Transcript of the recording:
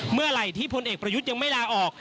เมื่อไหร่ที่พลเอกประยุทธ์ยังไม่ลาออก